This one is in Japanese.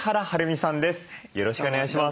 よろしくお願いします。